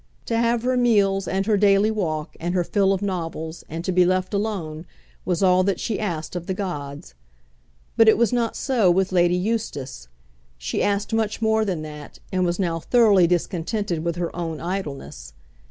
To have her meals, and her daily walk, and her fill of novels, and to be left alone, was all that she asked of the gods. But it was not so with Lady Eustace. She asked much more than that, and was now thoroughly discontented with her own idleness.